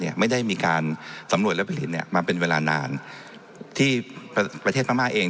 ไม่ได้มีการสำรวจและผลิตเนี่ยมาเป็นเวลานานที่ประเทศพม่าเอง